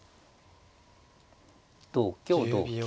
同香同香。